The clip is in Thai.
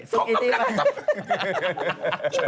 สกลับสกลับ